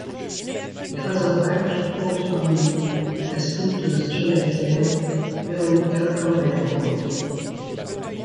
Les Razorbacks comptent parmi eux la sprinteuse jamaïcaine Veronica Campbell-Brown.